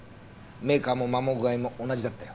メーカーも磨耗具合も同じだったよ。